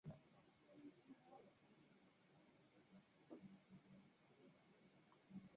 Hassan Sheikh Mohamud alimshukuru Raisi Joe Biden katika ukurasa wa